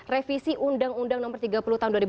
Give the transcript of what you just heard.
revisi undang undang nomor tiga puluh tahun